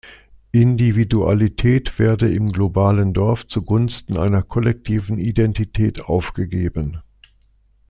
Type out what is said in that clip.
Individualität werde im Globalen Dorf zugunsten einer kollektiven Identität aufgegeben.